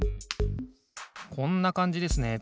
こんなかんじですね。